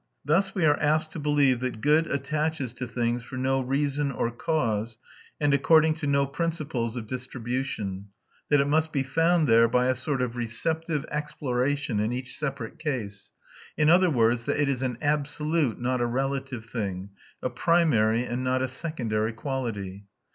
Thus we are asked to believe that good attaches to things for no reason or cause, and according to no principles of distribution; that it must be found there by a sort of receptive exploration in each separate case; in other words, that it is an absolute, not a relative thing, a primary and not a secondary quality.